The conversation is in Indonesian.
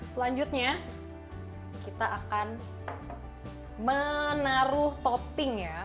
selanjutnya kita akan menaruh topping ya